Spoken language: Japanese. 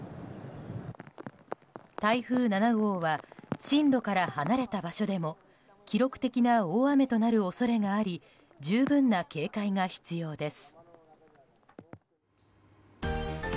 台風７号は進路から離れた場所でも記録的な大雨となる恐れがあり十分な警戒が必要です。